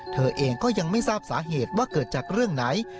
เธอเองก็ยังไม่ทราบสาเหตุว่าเกิดจากเรื่องไหน